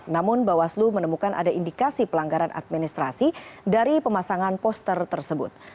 namun bawaslu menemukan ada indikasi pelanggaran administrasi dari pemasangan poster tersebut